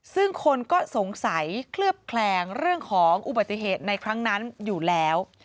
ซึ่งคนก็สงสัยเคลือบแคลงเรื่องของอุบัติเหตุในครั้งนั้นอยู่แล้ว